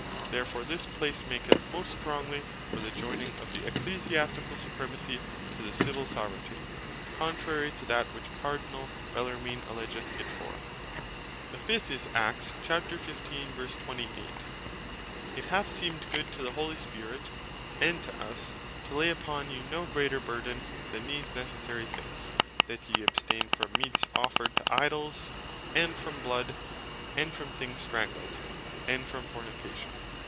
Therefore this place maketh most strongly for the joining of the Ecclesiasticall Supremacy to the Civill Soveraignty, contrary to that which Cardinall Bellarmine alledgeth it for. The fift place is Acts 15.28. "It hath seemed good to the Holy Spirit, and to us, to lay upon you no greater burden, than these necessary things, that yee abstaine from meats offered to Idols, and from bloud, and from things strangled, and from fornication."